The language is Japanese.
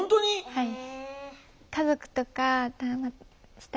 はい。